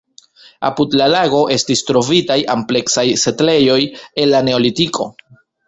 Apud la lago estis trovitaj ampleksaj setlejoj el la neolitiko.